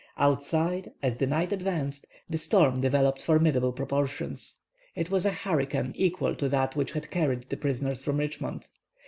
Outside, as the night advanced, the storm developed formidable proportions. It was a hurricane equal to that which had carried the prisoners from Richmond.